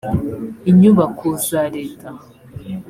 inyubako za leta